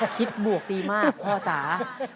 บวกดีมากพ่อจ๋า